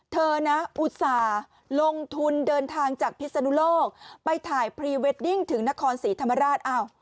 เธอนะอุตส่าห์ลงทุนเดินทางจากพิศนุโลกไปถ่ายพรีเวดดิ้งถึงนครศรีธรรมราช